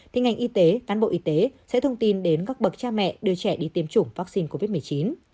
thì ngành y tế cán bộ y tế sẽ thông tin đến các bậc cha mẹ đưa trẻ đi tiêm chủng vaccine covid một mươi chín